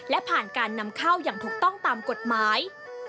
และผ่านการนำเข้าอย่างถูกต้องตามกฎหมาย